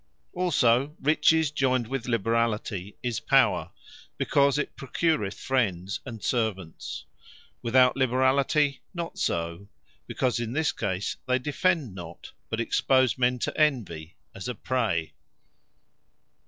Also Riches joyned with liberality, is Power; because it procureth friends, and servants: Without liberality, not so; because in this case they defend not; but expose men to Envy, as a Prey.